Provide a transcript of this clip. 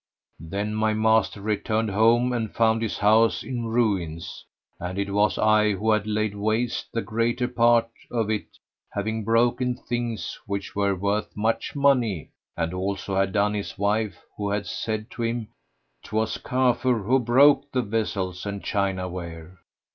Then my master returned home and found his house in ruins, and it was I who had laid waste the greater part of it,[FN#101] having broken things which were worth much money, as also had done his wife, who said to him, "'Twas Kafur who broke the vessels and chinaware."